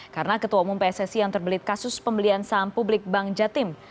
karena ketua umum pssi yang terbelit kasus pembelian saham publik bank jatim